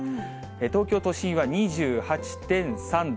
東京都心は２８．３度。